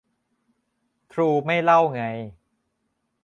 ทรูไม่เล่าไง